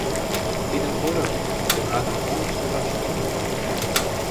Тидым кодо, — Йыгнатын оҥыштыжо шкенжым ончыкта.